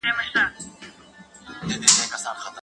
دا کار تاسو ته ذهني ازادي درکوي.